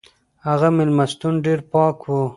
هغه مېلمستون ډېر پاک و.